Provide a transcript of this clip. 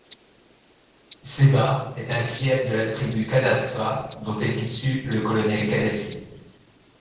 Sebha est un fief de la tribu Qadhadhfa, dont est issue le colonel Kadhafi.